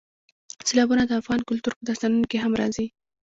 سیلابونه د افغان کلتور په داستانونو کې هم راځي.